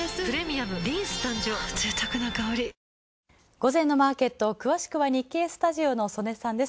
午前のマーケット、詳しくは日経スタジオの曽根さんです